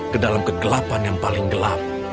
ke dalam kegelapan yang paling gelap